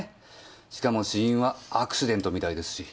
しかも死因はアクシデントみたいですし。